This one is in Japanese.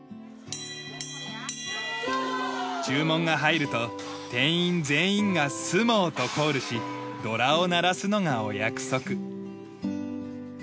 注文が入ると店員全員が「スモー！」とコールし銅鑼を鳴らすのがお約束。